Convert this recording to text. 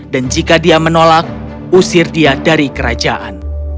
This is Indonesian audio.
dan jika dia menolak usir dia dari kerajaan